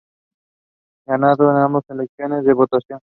Ganando ambos las elecciones de votación.